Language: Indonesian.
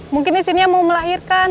mungkin istrinya mau melahirkan